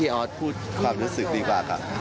ให้พี่ออสพูดความรู้สึกดีกว่าก่อนค่ะ